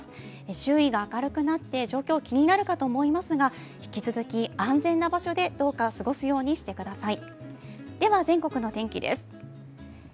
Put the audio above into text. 周囲が明るくなって、状況、気になるかと思いますが引き続き安全な場所でどうか過ごすようにしてください。